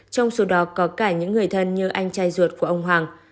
trong số đó có cả những người thân như anh trai ruột của ông hoàng